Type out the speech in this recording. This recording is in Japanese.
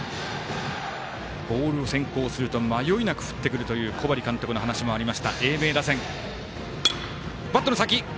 ボール先行すると迷いなく振ってくるという小針監督の話もありました英明打線。